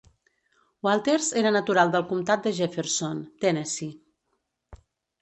Walters era natural del comtat de Jefferson, Tennessee.